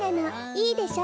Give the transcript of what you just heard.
いいでしょ？